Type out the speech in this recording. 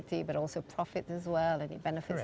tetapi juga keuntungan juga